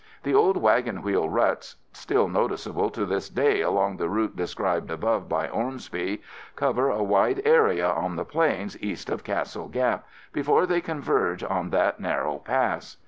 The old wagon wheel ruts, still noticeable to this day along the route described above by Ormsby, cover a wide area on the plains east of Castle Gap, before they converge at that narrow pass.